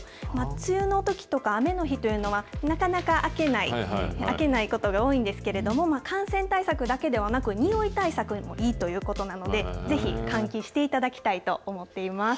梅雨のときとか、雨の日というのは、なかなか開けない、開けないことが多いんですけれども、感染対策だけではなく、におい対策にもいいということなので、ぜひ換気していただきたいと思っています。